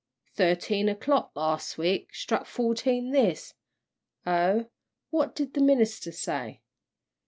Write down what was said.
"Thirteen o'clock las' week struck fourteen this oh, what did the minister say?"